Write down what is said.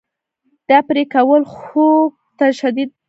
دا پرې کول خوک ته شدید درد ورکوي.